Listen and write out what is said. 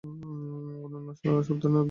অরণ্য সাবধানী, দুর্গ সতর্ক।